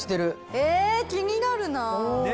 え気になるなぁ。